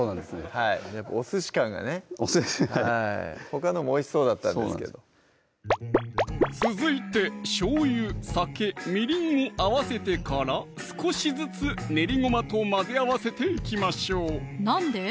はいおすし感がねほかのもおいしそうだったんですけど続いてしょうゆ・酒・みりんを合わせてから少しずつ練りごまと混ぜ合わせていきましょうなんで？